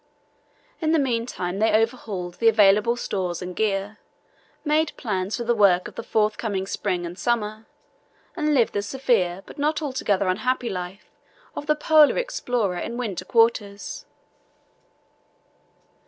In the meantime they overhauled the available stores and gear, made plans for the work of the forthcoming spring and summer, and lived the severe but not altogether unhappy life of the polar explorer in winter quarters.